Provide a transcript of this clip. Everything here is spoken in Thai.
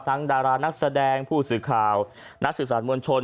ดารานักแสดงผู้สื่อข่าวนักสื่อสารมวลชน